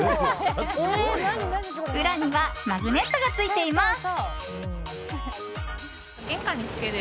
裏にはマグネットがついています。